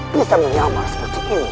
bisa menyamar seperti ini